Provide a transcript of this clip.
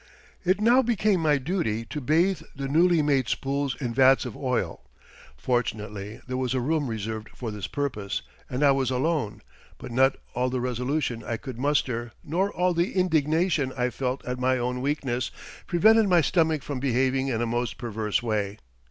It now became my duty to bathe the newly made spools in vats of oil. Fortunately there was a room reserved for this purpose and I was alone, but not all the resolution I could muster, nor all the indignation I felt at my own weakness, prevented my stomach from behaving in a most perverse way.